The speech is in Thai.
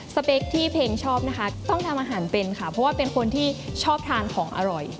สเปคที่เพลงชอบนะคะต้องทำอาหารเป็นค่ะเพราะว่าเป็นคนที่ชอบทานของอร่อย